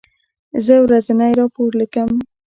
زه ورځنی راپور لیکم.